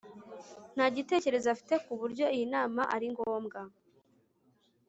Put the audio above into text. nta gitekerezo afite ku buryo iyi nama ari ngombwa